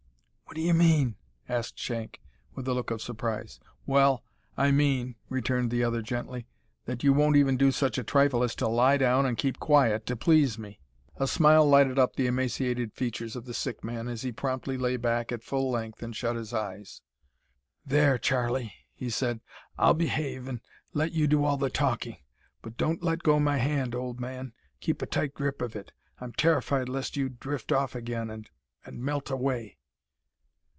"What d'ye mean?" asked Shank, with a look of surprise. "Well, I mean," returned the other, gently, "that you won't even do such a trifle as to lie down and keep quiet to please me." A smile lighted up the emaciated features of the sick man, as he promptly lay back at full length and shut his eyes. "There, Charlie," he said, "I'll behave, and let you do all the talking; but don't let go my hand, old man. Keep a tight grip of it. I'm terrified lest you drift off again, and and melt away."